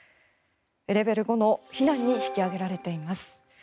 レベル５の避難に引き上げられています。